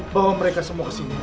bawa mereka semua kesini